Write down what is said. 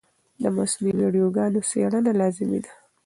د مصنوعي ویډیوګانو څېړنه لازمي ده.